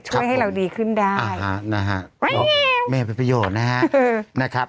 ช่วยให้เราดีขึ้นได้ไม่มีประโยชน์นะครับ